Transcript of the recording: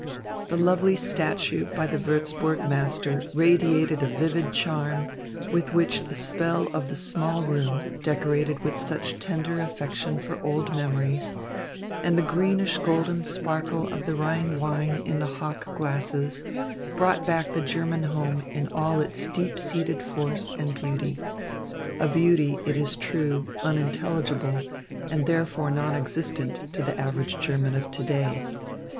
The lovely statue by the Würzburg master radiated a vivid charm, which with the spell of the small room, decorated with such tender affection for old memories, and the greenish golden sparkle of the Rhine wine in the hock glasses, brought back the German home in all its deep seated force and beauty a beauty, it is true, unintelligible, and therefore non existent, to the average German of to day.